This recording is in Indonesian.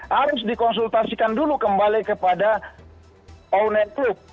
harus dikonsultasikan dulu kembali kepada owner klub